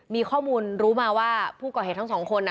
มีข้อมูลรู้มาว่าผู้ก่อเหตุทั้งสองคน